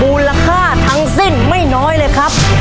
มูลค่าทั้งสิ้นไม่น้อยเลยครับ